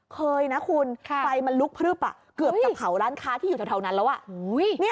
เคยนะคุณไฟมันลุกพลึบเกือบจะเผาร้านค้าที่อยู่แถวนั้นแล้ว